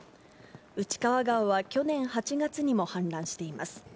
内川川は去年８月にも氾濫しています。